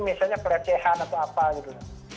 misalnya pelecehan atau apa gitu